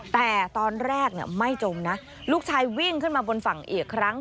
แต่ตอนแรกไม่จมนะลูกชายวิ่งขึ้นมาบนฝั่งอีกครั้ง